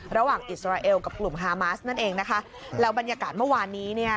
ระหว่างอิสราเอลกับกลุ่มฮามาสนั่นเองนะคะแล้วบรรยากาศเมื่อวานนี้เนี่ย